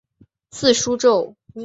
字叔胄。